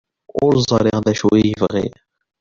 Ur ẓriɣ d acu ay bɣiɣ.